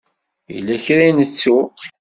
Yella kra i nettu.